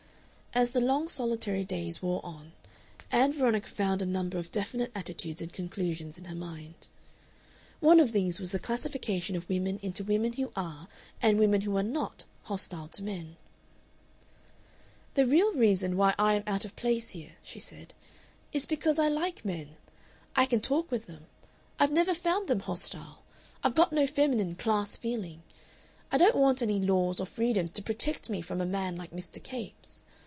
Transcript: As the long, solitary days wore on, Ann Veronica found a number of definite attitudes and conclusions in her mind. One of these was a classification of women into women who are and women who are not hostile to men. "The real reason why I am out of place here," she said, "is because I like men. I can talk with them. I've never found them hostile. I've got no feminine class feeling. I don't want any laws or freedoms to protect me from a man like Mr. Capes.